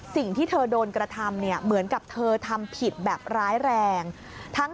สิ่งที่เธอโดนกระทำเนี่ยเหมือนกับเธอทำผิดแบบร้ายแรง